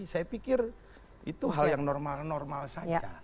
saya pikir itu hal yang normal normal saja